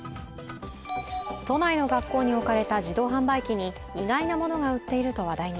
都内の学校に置かれた自動販売機に意外なものが売っていると話題に。